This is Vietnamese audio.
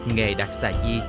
nghề đặt xà chi